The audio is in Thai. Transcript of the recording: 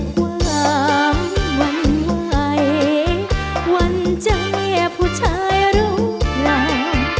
อบวางวันไหววันใจผู้ชายรู้ไหว